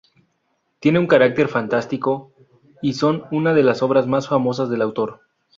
Tienen un carácter fantástico, y son una de las obras más famosas del autor.